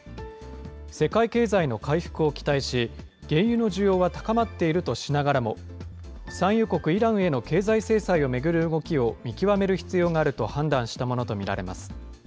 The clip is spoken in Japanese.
世界経済の回復を期待し、原油の需要は高まっているとしながらも、産油国イランへの経済制裁を巡る動きを見極める必要があると判断したものと見られます。